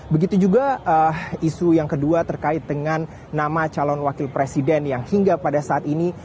begitu juga isu yang kedua terkait dengan nama calon wakil presiden yang hingga pada saat ini